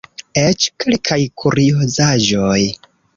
Eĉ kelkaj kuriozaĵoj.